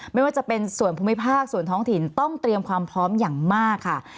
ไม่ว่าจะเป็นส่วนภูมิภาคส่วนท้องถิ่นต้องเตรียมความพร้อมอย่างมากค่ะ